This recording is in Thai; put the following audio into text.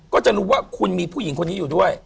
ก็จะรู้ว่าคุณมีผู้หญิงคนนี้อยู่ด้วย